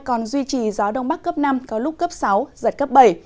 còn duy trì gió đông bắc cấp năm có lúc cấp sáu giật cấp bảy